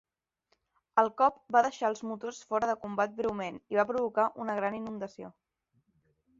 El cop va deixar els motors fora de combat breument i va provocar una gran inundació.